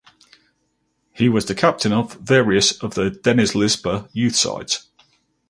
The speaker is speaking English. He was the captain of various of the Denizlispor youth sides.